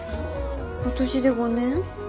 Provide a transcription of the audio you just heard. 今年で５年。